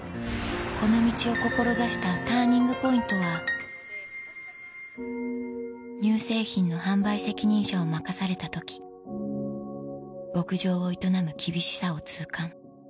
この道を志したＴＵＲＮＩＮＧＰＯＩＮＴは乳製品の販売責任者を任された時牧場を営む厳しさを痛感